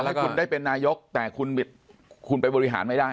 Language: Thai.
คือก็แต่คุณได้เป็นนัยกได้คุณไปบริหารไม่ได้